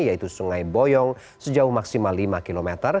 yaitu sungai boyong sejauh maksimal lima km